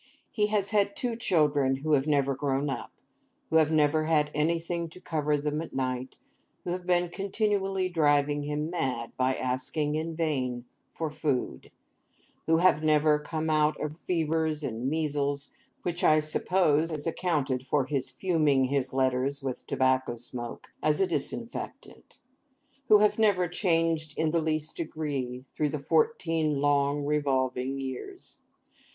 He has had two children who have never grown up; who have never had anything to cover them at night; who have been continually driving him mad, by asking in vain for food; who have never come out of fevers and measles (which, I suppose, has accounted for his fuming his letters with tobacco smoke, as a disinfectant); who have never changed in the least degree through fourteen long revolving years.